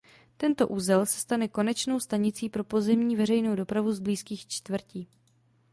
Tento uzel se stane konečnou stanicí pro pozemní veřejnou dopravu z blízkých čtvrtí.